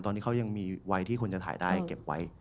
ตอนนี้เขายังมีวัยที่คุณจะถ่ายได้เก็บไว้